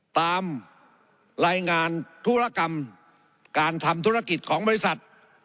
ตามรายงานธุรกรรมการทำธุรกิจของบริษัท